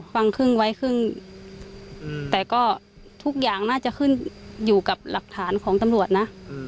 ฟังครึ่งไว้ครึ่งแต่ก็ทุกอย่างน่าจะขึ้นอยู่กับหลักฐานของตำรวจนะ